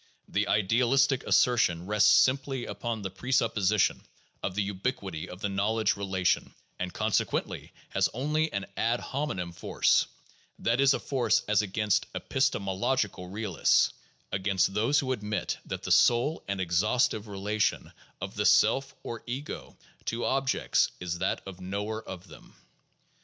The idealistic assertion rests simply upon the presupposition of the ubiquity of the knowledge rela tion, and consequently has only an ad hominem force, that is a force as against epistemological realists — against those who admit that the sole and exhaustive relation of the "self" or "ego" to objects is that of knower of them.